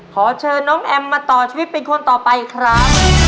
ขอเชิญน้องแอมมาต่อชีวิตเป็นคนต่อไปครับ